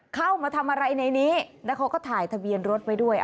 เข้ามาทำอะไรในนี้แล้วเขาก็ถ่ายทะเบียนรถไว้ด้วย